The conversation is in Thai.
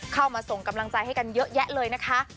เข้ามาส่งกำลังใจให้กันเยอะแยะเลยนะคะ